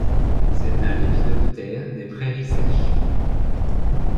C'est un lépidoptère des prairies sèches.